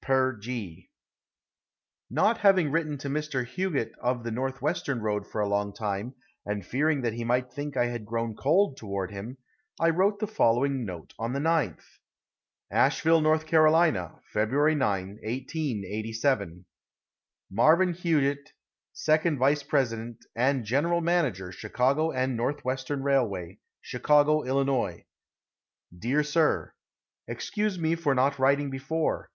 Per G. Not having written to Mr. Hughitt of the Northwestern road for a long time, and fearing that he might think I had grown cold toward him, I wrote the following note on the 9th: ASHEVILLE, N. C., Feb. 9, 1887. Marvin Hughitt, Second Vice President and General Manager Chicago & Northwestern Railway, Chicago, Ill. Dear Sir: Excuse me for not writing before.